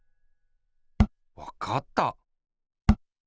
わかった！